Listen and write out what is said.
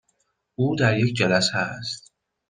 او در یک جلسه است.